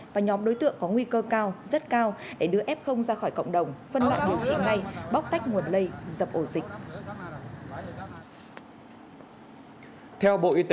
và nhóm đối tượng có nguy cơ cao rất cao để đưa f ra khỏi cộng đồng phân loại điều trị may bóc tách nguồn lây dập ổ dịch